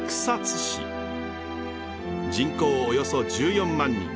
人口およそ１４万人。